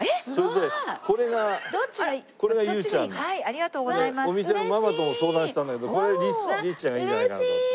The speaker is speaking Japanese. でお店のママとも相談したんだけどこれ律ちゃんがいいんじゃないかなと思って。